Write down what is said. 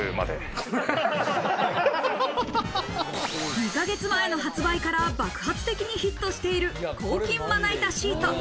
２か月前の発売から爆発的にヒットしている抗菌まな板シート。